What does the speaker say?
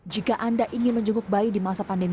jika anda ingin menjenguk bayi di masa pandemi